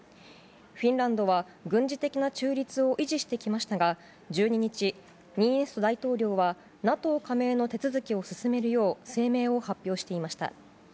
フィンランドは軍事的な中立を維持してきましたが、１２日、ニーニスト大統領は、ＮＡＴＯ加盟の手続きを進めるよう声明を発表していました。